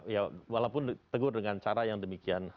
ya walaupun ditegur dengan cara yang demikian